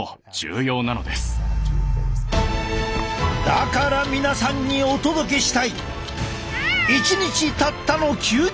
だから皆さんにお届けしたい！